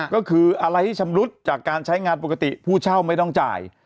ก็คืออะไรที่ชำรุดจากการใช้งานปกติผู้เช่าไม่ต้องจ่าย